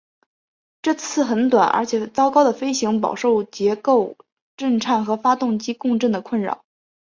这次很短而且糟糕的飞行饱受结构颤振和发动机共振的困扰。